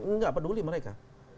tidak peduli mereka